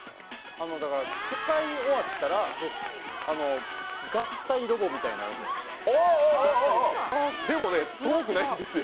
使い終わったら、合体ロボみたいになるんじゃないですか？